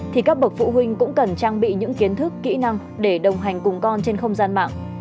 thì các bậc phụ huynh cũng cần trang bị những kiến thức kỹ năng để đồng hành cùng con trên không gian mạng